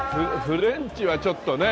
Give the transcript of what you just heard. フレンチはちょっとね